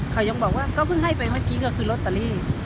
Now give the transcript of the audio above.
เขายังบอกว่าก็เพิ่งให้ไปเมื่อกี้ก็คือลอตเตอรี่